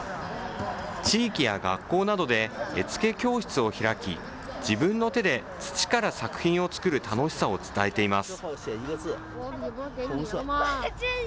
地域や学校などで絵付け教室を開き、自分の手で土から作品を作る楽しさを伝えています。